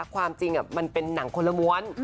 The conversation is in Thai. ความจริงมันเป็นหนังคนละม้วน